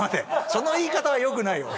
その言い方は良くないよ。